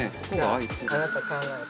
あなた考えて。